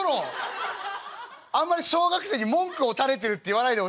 あんまり小学生に文句をたれているって言わないでほしいな」。